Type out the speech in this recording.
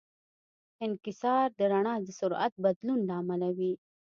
انکسار د رڼا د سرعت د بدلون له امله وي.